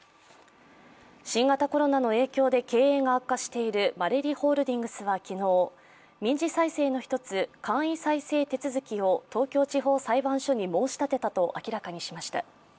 新型コロナの影響で経営が悪化しているマレリホールディングスは昨日民事再生の一つ、簡易再生手続を東京地方裁判所に申し立てたと明らかにしました。